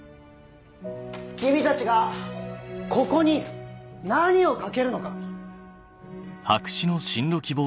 君たちがここに何を書けるのか。